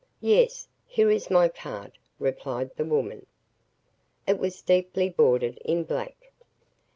"Yes here is my card," replied the woman. It was deeply bordered in black.